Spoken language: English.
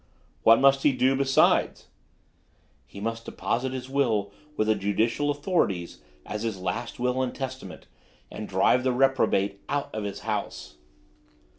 "What must he do besides?" "He must deposit his will with the Judicial Authorities as his last will and testament, and drive the reprobate out of his house."